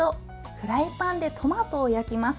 フライパンでトマトを焼きます。